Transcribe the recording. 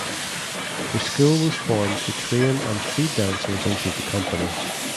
The school was formed to train and feed dancers into the company.